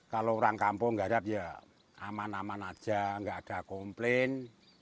kalau orang kampung harap ya aman aman aja nggak ada komplain